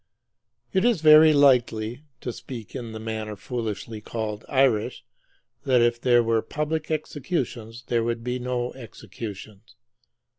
It is very likely (to speak in the manner foolishly called Irish) that if there were public executions there would be no executions.